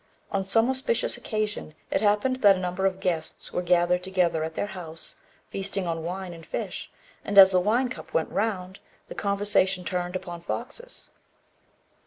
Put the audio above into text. On some auspicious occasion it happened that a number of guests were gathered together at their house, feasting on wine and fish; and as the wine cup went round, the conversation turned upon foxes.